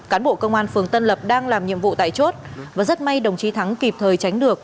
cán bộ công an phường tân lập đang làm nhiệm vụ tại chốt và rất may đồng chí thắng kịp thời tránh được